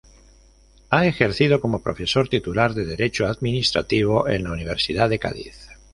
Ha ejercido como profesor titular de Derecho Administrativo en la Universidad de Cádiz.